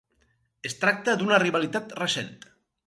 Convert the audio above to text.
Es tracta d'una rivalitat recent.